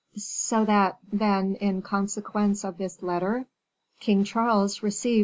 "So that, then, in consequence of this letter " "King Charles received M.